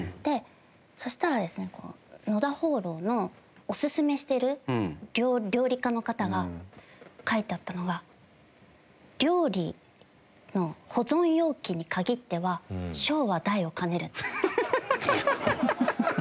そしたらですね野田琺瑯のおすすめしてる料理家の方が書いてあったのが料理の保存容器に限っては小は大を兼ねる。